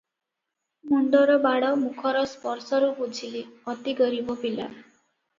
ମୁଣ୍ଡର ବାଳ ମୁଖର ସ୍ପର୍ଶରୁ ବୁଝିଲେ, ଅତି ଗରିବ ପିଲା ।